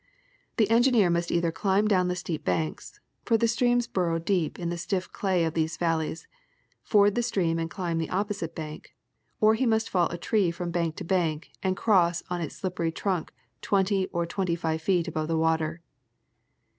The engineer must either climb down the steep banks, for the streams burrow deep in the stiff clay of these valleys, ford the stream and climb the opposite bank, or he must fall a tree from bank to bank and cross on its slippery trunk twenty or twenty five feet above the water.